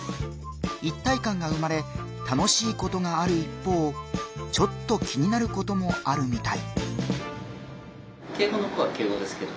一体感が生まれ楽しいことがある一方ちょっと気になることもあるみたい。